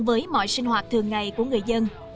với mọi sinh hoạt thường ngày của người dân